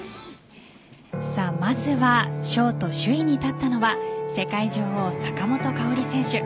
まずはショート首位に立ったのは世界女王・坂本花織選手。